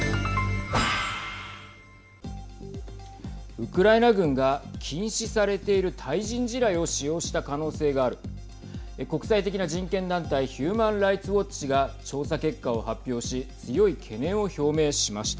ウクライナ軍が禁止されている対人地雷を使用した可能性がある国際的な人権団体ヒューマン・ライツ・ウォッチが調査結果を発表し強い懸念を表明しました。